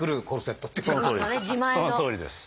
そのとおりです。